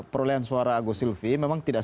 perolehan suara agus silvi memang tidak